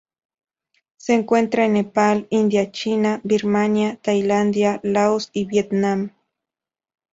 Se encuentra en Nepal, India China Birmania, Tailandia, Laos y Vietnam.